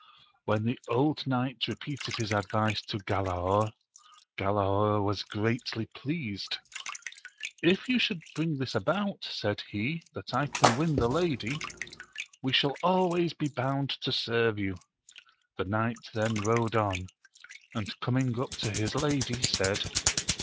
When the old knight repeated his isidvice to Galaor, Galaor was greatly pleased : If you bring this about, said he, that I can win the lady, we shall always be bound to serve you. The knight then rode on, and coming up to his lady, said.